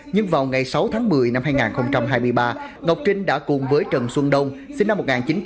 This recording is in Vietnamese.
nhưng vào ngày sáu tháng một mươi năm hai nghìn hai mươi ba ngọc trinh đã cùng với trần xuân đông sinh năm một nghìn chín trăm tám mươi